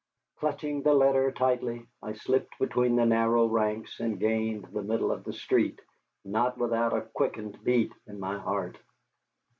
Clutching the letter tightly, I slipped between the narrowed ranks, and gained the middle of the street, not without a quickened beat of my heart.